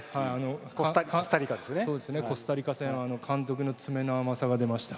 コスタリカ戦監督の詰めの甘さが出ました。